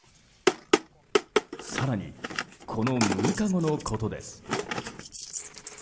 更に、この６日後のことです。